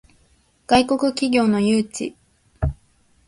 外国企業の誘致